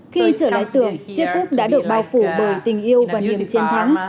khi trở lại xưởng chiếc cúc đã được bao phủ bởi tình yêu và niềm chiến thắng